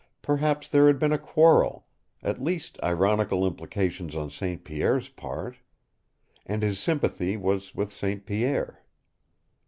Perhaps there had been a quarrel at least ironical implications on St. Pierre's part. And his sympathy was with St. Pierre.